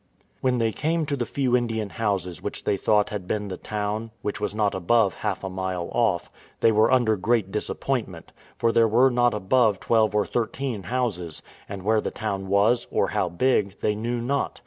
When they came to the few Indian houses which they thought had been the town, which was not above half a mile off, they were under great disappointment, for there were not above twelve or thirteen houses, and where the town was, or how big, they knew not.